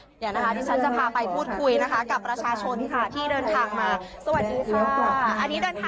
ที่เดินทางมาสวัสดีค่าอันนี้เดินทางมาจากไหนคะ